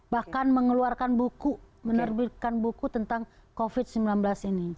bahkan mengeluarkan buku menerbitkan buku tentang covid sembilan belas ini